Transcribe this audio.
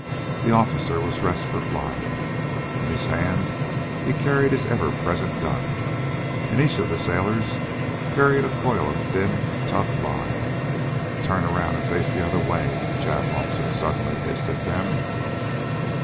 The officer was dressed for flying. In his hand he carried his ever present gun. And each of the sailors carried a coil of thin, tough line. "Turn around, and face the other way!" the Jap officer suddenly hissed at them.